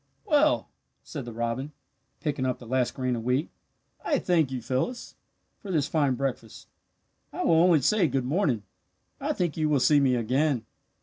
"Well," said the robin, picking up the last grain of wheat, "I thank you, Phyllis, for this fine breakfast. "I will only say 'good morning.' I think you will see me again.